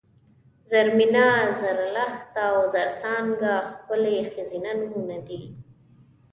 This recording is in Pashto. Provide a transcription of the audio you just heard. زرمېنه ، زرلښته او زرڅانګه ښکلي ښځینه نومونه دي